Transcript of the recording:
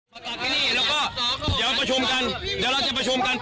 ประกาศที่นี่แล้วก็เดี๋ยวประชุมกันเดี๋ยวเราจะประชุมกัน